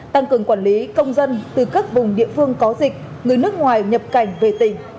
tăng cường quản lý công dân từ các vùng địa phương có dịch người nước ngoài nhập cảnh về tỉnh